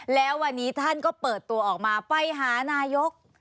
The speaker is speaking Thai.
แล้ววันนี้ท่านก็เปิดตัวออกมาไปหานายก